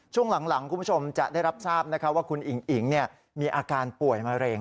ช่วงหลังคุณผู้ชมจะได้รับทราบว่าคุณอิ๋งอิ๋งมีอาการป่วยมะเร็ง